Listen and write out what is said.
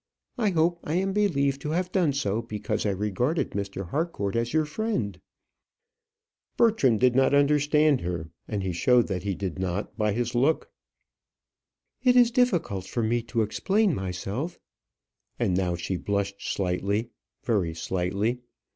I hope I am believed to have done so because I regarded Mr. Harcourt as your friend?" Bertram did not understand her, and he showed that he did not by his look. "It is difficult for me to explain myself" and now she blushed slightly very slightly.